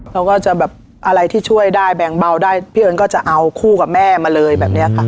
เราก็จะแบบอะไรที่ช่วยได้แบ่งเบาได้พี่เอิญก็จะเอาคู่กับแม่มาเลยแบบนี้ค่ะ